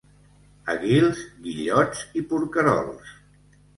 A Guils, guillots i porquerols.